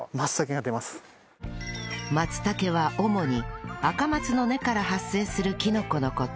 松茸は主にアカマツの根から発生するキノコの事